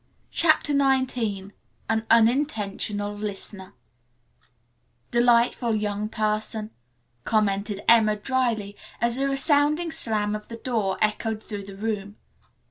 CHAPTER XIX AN UNINTENTIONAL LISTENER "Delightful young person," commented Emma dryly, as the resounding slam of the door echoed through the room.